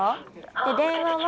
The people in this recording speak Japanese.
で電話は。